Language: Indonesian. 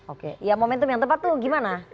oke ya momentum yang tepat tuh gimana